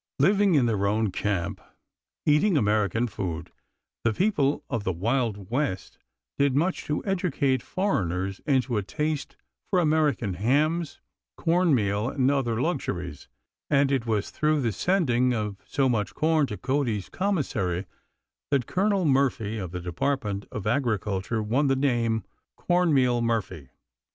Living in their own camp, eating American food, the people of the Wild West did much to educate foreigners into a taste for American hams, corn meal, and other luxuries; and it was through the sending of so much corn to Cody's commissary that Colonel Murphy of the Department of Agriculture won the name of "Corn meal Murphy."